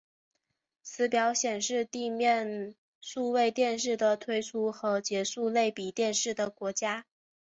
此表显示地面数位电视的推出和结束类比电视的国家。